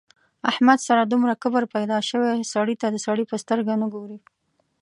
احمد سره دومره کبر پیدا شوی سړي ته د سړي په سترګه نه ګوري.